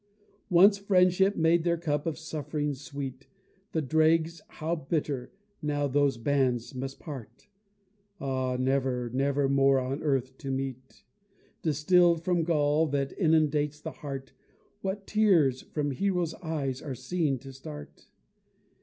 Once friendship made their cup of suff'rings sweet The dregs how bitter, now those bands must part! Ah! never, never more on earth to meet; Distill'd from gall that inundates the heart, What tears from heroes' eyes are seen to start!